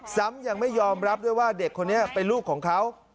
ซ้ำยังไม่ยอมรับด้วยว่าเด็กคนนี้เป็นลูกของเขา